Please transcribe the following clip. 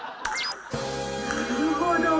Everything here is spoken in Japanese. なるほど。